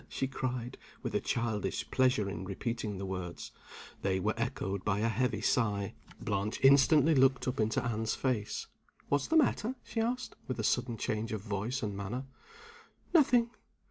she cried, with a childish pleasure in repeating the words. They were echoed by a heavy sigh. Blanche instantly looked up into Anne's face. "What's the matter?" she asked, with a sudden change of voice and manner. "Nothing."